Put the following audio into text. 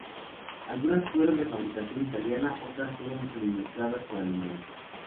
Algunas fueron de fabricación italiana, otras fueron suministradas por Alemania.